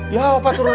ya opa turun